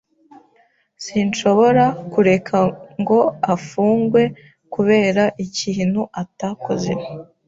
Sinshobora kureka ngo afungwe kubera ikintu atakoze.